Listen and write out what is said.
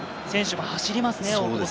選手も走りますね。